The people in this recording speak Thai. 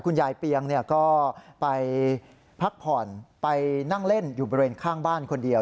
เปียงก็ไปพักผ่อนไปนั่งเล่นอยู่บริเวณข้างบ้านคนเดียว